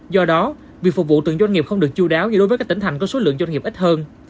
do đó việc phục vụ từng doanh nghiệp không được chú đáo như đối với các tỉnh thành có số lượng doanh nghiệp ít hơn